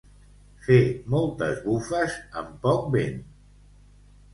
Fer moltes bufes amb poc vent.